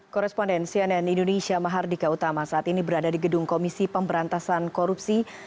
koresponden cnn indonesia mahardika utama saat ini berada di gedung komisi pemberantasan korupsi